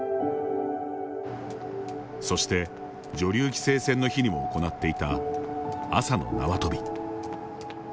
そして、女流棋聖戦の日にも行っていた、朝の縄跳び。